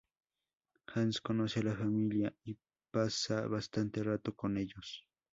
Hans conoce a la familia, y pasa bastante rato con ellos.